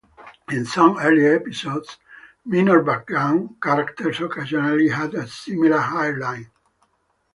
In some early episodes, minor background characters occasionally had a similar hairline.